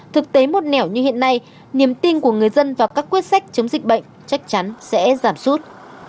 thực tế một nẻo như hiện nay niềm tin của người dân vào các quyết sách chống dịch bệnh chắc chắn sẽ giảm sút